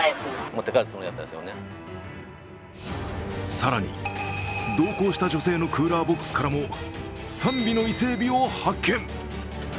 更に同行した女性のクーラーボックスからも３尾の伊勢えびを発見。